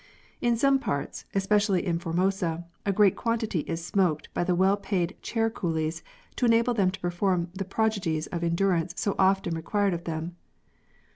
In some parts, especially in Formosa, a great quantity is smoked by the well paid chair coolies, to enable them to perform the prodigies of endurance so often required of them.